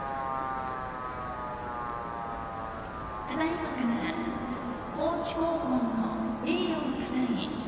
ただいまから高知高校の栄誉をたたえ